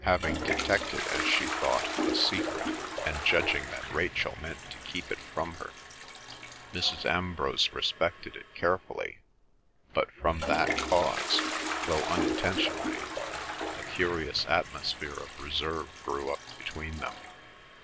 Having detected, as she thought, a secret, and judging that Rachel meant to keep it from her, Mrs. Ambrose respected it carefully, but from that cause, though unintentionally, a curious atmosphere of reserve grew up between them.